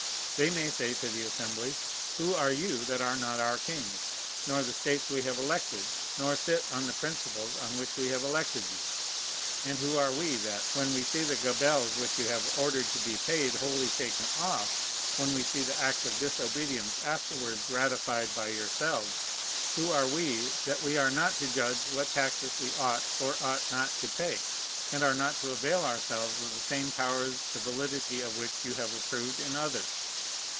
They may say to the Assembly, "Who are you, that are not our kings, nor the States we have elected, nor sit on the principles on which we have elected you? And who are we, that, when we see the gabelles which you have ordered to be paid wholly shaken off, when we see the act of disobedience afterwards ratified by yourselves, who are we, that we are not to judge what taxes we ought or ought not to pay, and are not to avail ourselves of the same powers the validity of which you have approved in others?"